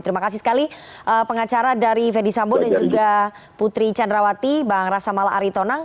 terima kasih sekali pengacara dari fendi sambo dan juga putri candrawati bang rasa mala aritonang